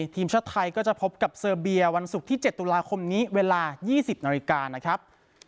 ทีมชาติไทยก็จะพบกับเซอร์เบียวันศุกร์ที่๗ตุลาคมนี้เวลา๒๐นาฬิกานะครับ